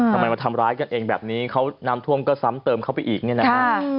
มาทำร้ายกันเองแบบนี้เขาน้ำท่วมก็ซ้ำเติมเข้าไปอีกเนี่ยนะฮะ